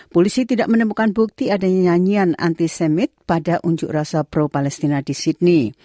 polisi tidak menemukan bukti adanya nyanyian antisemmit pada unjuk rasa pro palestina di sydney